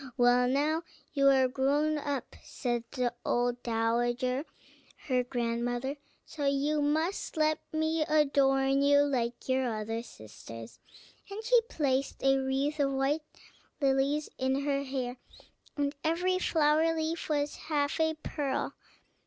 "Well, now, you are grown up," said the old dowager, her grandmother; "so you must let me adorn you like your other sisters;" and she placed a wreath of white lilies in her hair, and every flower leaf was half a pearl.